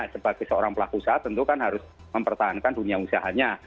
sebagai seorang pelaku usaha tentu kan harus mempertahankan dunia usahanya